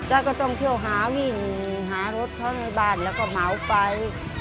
ก็ต้องเที่ยวหาวิ่งหารถเขาในบ้านแล้วก็เหมาไป